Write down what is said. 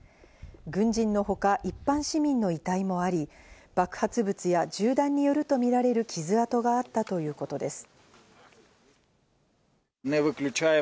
軍事のほか一般市民の遺体もあり、爆発物や銃弾によるとみられる傷痕があったということです。